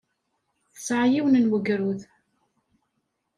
Tesɛa yiwen n wegrud.